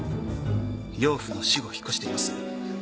養父の死後引っ越しています。